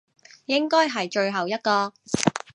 應該係最後一個